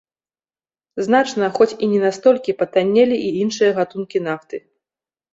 Значна, хоць і не настолькі, патаннелі і іншыя гатункі нафты.